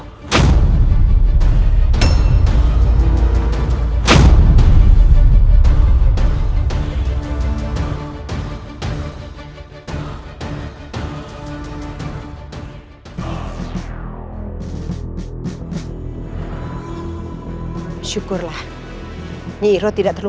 baiklah aku akan menjadi muridmu